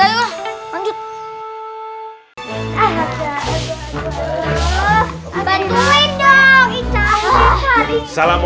ajar main gelombung